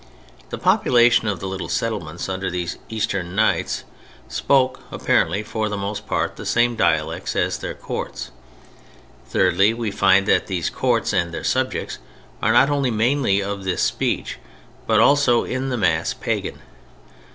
The population of the little settlements under these eastern knights spoke, apparently, for the most part the same dialects as their courts. Thirdly, we find that these courts and their subjects are not only mainly of this speech, but also, in the mass, pagan.